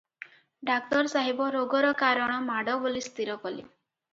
ଡାକ୍ତର ସାହେବ ରୋଗର କାରଣ ମାଡ଼ ବୋଲି ସ୍ଥିର କଲେ ।